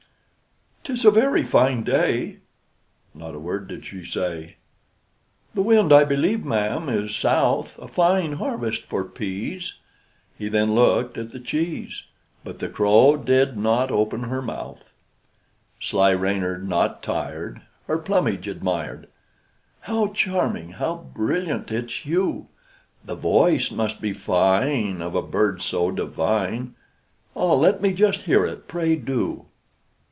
"'T is a very fine day" (Not a word did she say): "The wind, I believe, ma'am, is south: A fine harvest for peas:" He then looked at the cheese, But the crow did not open her mouth. Sly Reynard, not tired, Her plumage admired, "How charming! how brilliant its hue! The voice must be fine, Of a bird so divine, Ah, let me just hear it, pray do.